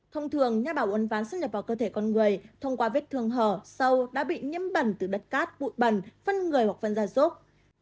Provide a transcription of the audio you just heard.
thông thường nhà bảo uốn ván xâm nhập vào cơ thể con người thông qua vết thương hở sâu đã bị nhiễm bẩn từ đất cát bụi bẩn phân người hoặc phân gia dốc